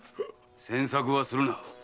詮索はするな。